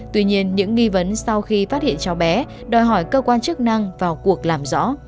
tuy nhiên những nghi vấn sau khi phát hiện cháu bé đòi hỏi cơ quan chức năng vào cuộc làm rõ